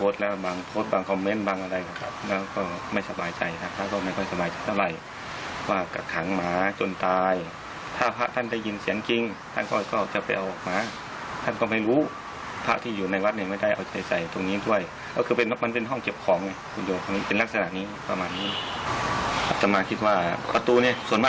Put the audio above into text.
สามะเนรหรือพระหรืออะไรก็ไม่รู้นะ